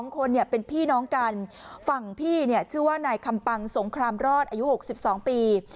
๒คนเป็นพี่น้องกันฝั่งพี่ชื่อว่านายคำปังสงครามรอดอายุ๖๒ปี